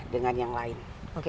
dengan yang lain